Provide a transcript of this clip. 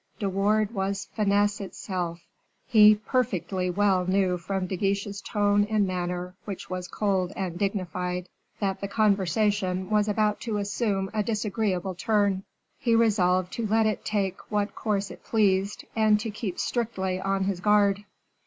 De Wardes was finesse itself. He perfectly well knew from De Guiche's tone and manner, which was cold and dignified, that the conversation was about to assume a disagreeable turn. He resolved to let it take what course it pleased, and to keep strictly on his guard.